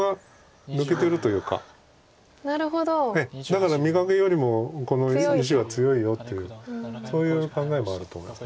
だから見かけよりもこの石は強いよっていうそういう考えもあると思います。